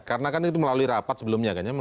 karena kan itu melalui rapat sebelumnya